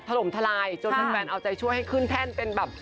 ถล่มทลายจนแฟนเอาใจช่วยให้ขึ้นแท่นเป็นแบบ